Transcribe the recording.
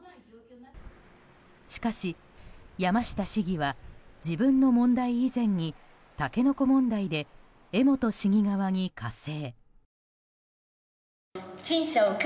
しかし、山下市議は自分の問題以前にタケノコ問題で江本市議側に加勢。